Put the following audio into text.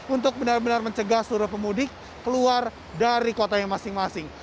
untuk benar benar mencegah seluruh pemudik keluar dari kota yang masing masing